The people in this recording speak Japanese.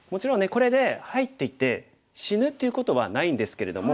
これで入っていて死ぬっていうことはないんですけれども。